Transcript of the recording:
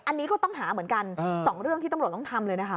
อันนี้ก็ต้องหาเหมือนกัน๒เรื่องที่ตำรวจต้องทำเลยนะคะ